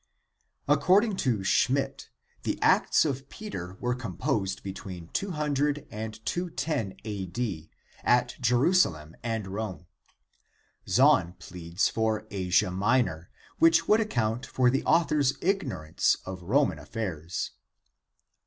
According to Schmidt the Acts of Peter were composed between 200 210 A. D., at Jerusalem and Rome. Zahn pleads for Asia Minor, which would account for the author's ignor ance of Roman affairs.